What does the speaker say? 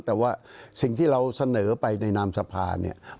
แต่ว่าสิ่งที่เราเสนอไปในนามสภาเนี่ย